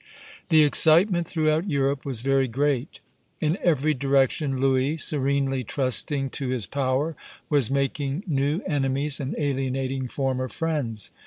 The excitement throughout Europe was very great; in every direction Louis, serenely trusting to his power, was making new enemies and alienating former friends.